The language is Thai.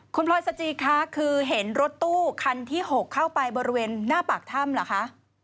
คุณพลอยสจีคะคือเห็นรถตู้คันที่๖เข้าไปบริเวณหน้าปากถ้ำเหรอคะ